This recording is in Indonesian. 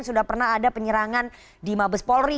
sudah pernah ada penyerangan di mabes polri